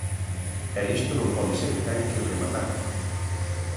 E isto non pode ser, ten que rematar.